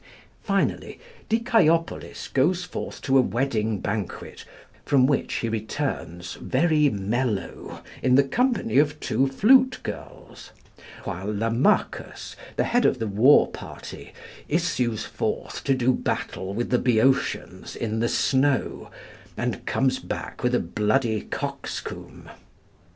Finally Dicæopolis goes forth to a wedding banquet, from which he returns very mellow in the company of two flute girls; while Lamachus, the head of the war party, issues forth to do battle with the Boeotians in the snow, and comes back with a bloody coxcomb.